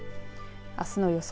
あすの予想